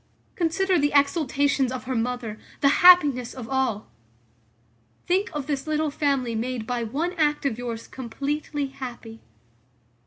Consider the exultations of her mother, the happiness of all. Think of this little family made by one act of yours completely happy.